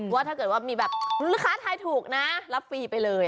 ว่าถ้าเกิดว่ามีแบบลูกค้าทายถูกนะรับฟรีไปเลย